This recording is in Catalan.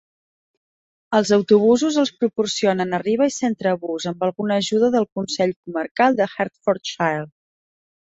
Els autobusos els proporcionen Arriva i Centrebus, amb alguna ajuda del Consell comarcal de Hertfordshire.